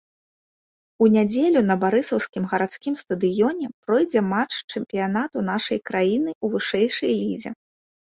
У нядзелю на барысаўскім гарадскім стадыёне пройдзе матч чэмпіянату нашай краіны ў вышэйшай лізе.